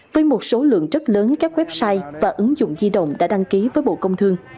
với một số lượng rất lớn các website và ứng dụng di động đã đăng ký với bộ công thương